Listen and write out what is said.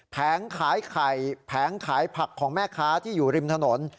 แผงขายไข่แผงขายผักของแม่ค้าที่อยู่ริมถนน